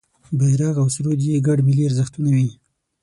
بېرغ او سرود یې ګډ ملي ارزښتونه وي.